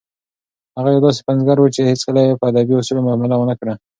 هغه یو داسې پنځګر و چې هیڅکله یې په ادبي اصولو معامله ونه کړه.